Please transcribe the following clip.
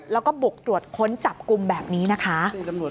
แล้วก็บุกตรวจค้นจับกลุ่มแบบนี้นะคะ